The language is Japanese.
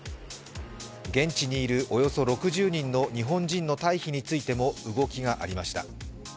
現地にいるおよそ６０人の日本人の退避についても動きがありました。